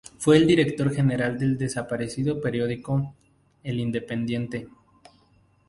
Fue director general del desparecido periódico "El Independiente".